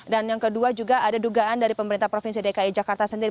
dan yang kedua juga ada dugaan dari pemerintah provinsi dki jakarta sendiri